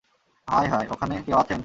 আয় হায়, ওখানে কেউ আছেন?